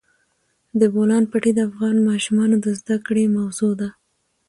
د بولان پټي د افغان ماشومانو د زده کړې موضوع ده.